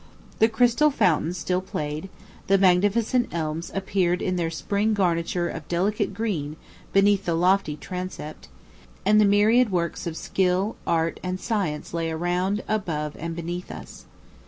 The crystal fountain still played, the magnificent elms appeared in their spring garniture of delicate green beneath the lofty transept, and the myriad works of skill, art, and science lay around, above, and beneath us.